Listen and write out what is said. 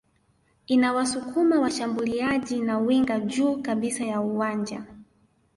inawasukuma washambuliaji na winga juu kabisa ya uwanja